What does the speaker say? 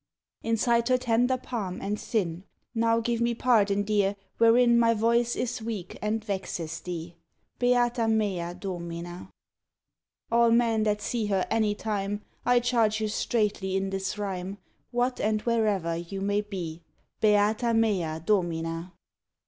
_ Inside her tender palm and thin. Now give me pardon, dear, wherein My voice is weak and vexes thee. Beata mea Domina! All men that see her any time, I charge you straightly in this rhyme, What, and wherever you may be, _Beata mea Domina!